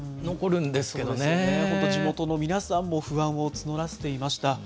そうですよね、本当に地元の皆さんも不安を募らせていました。